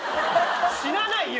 死なないよ。